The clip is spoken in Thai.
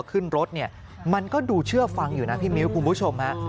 ขึ้นรถเนี่ยมันก็ดูเชื่อฟังอยู่นะพี่มิ้วคุณผู้ชมฮะ